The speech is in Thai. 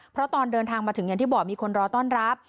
เพราะตอนเดินทางมาถึงอย่างที่บอกมีคนรอต้อนรับ